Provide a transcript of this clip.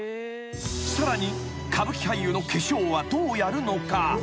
［さらに歌舞伎俳優の化粧はどうやるのか？］